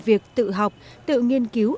việc tự học tự nghiên cứu